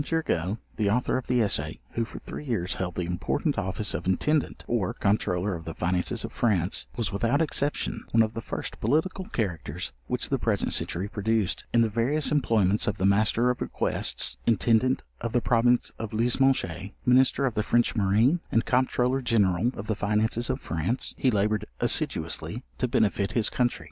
Turgot, the Author of the Essay, who, for three years held the important office of Intendant or Comptroller of the finances of FRANCE, was, without exception, one of the first political characters which the present century produced: In the various employments of the Master of Requests, Intendant of the province of Lismoges, Minister of the French marine, and Comptroller General of the finances of France, he laboured assiduously to benefit his country.